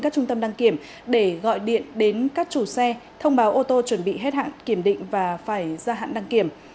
các trung tâm đăng kiểm để gọi điện đến các chủ xe thông báo ô tô chuẩn bị hết hạn kiểm định và phải ra hạn đăng kiểm